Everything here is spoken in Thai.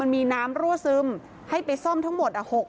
มีน้ำรั่วซึมให้ไปซ่อมทั้งหมดอ่ะ๖ห้อง